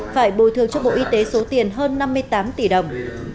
phải bồi thường cho bộ y tế số tiền hơn năm mươi tám tỷ đồng